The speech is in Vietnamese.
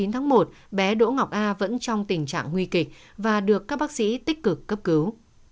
chín tháng một bé đỗ ngọc a vẫn trong tình trạng nguy kịch và được các bác sĩ tích cực cấp cứu